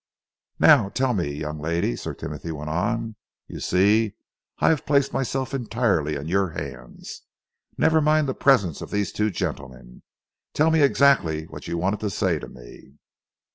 "Now tell me, young lady," Sir Timothy went on. "You see, I have placed myself entirely in your hands. Never mind the presence of these two gentlemen. Tell me exactly what you wanted to say to me?"